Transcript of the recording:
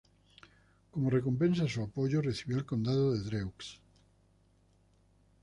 Como recompensa a su apoyo, recibió el condado de Dreux.